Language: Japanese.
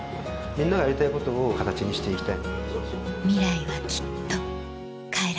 みんながやりたいことを形にして行きたい。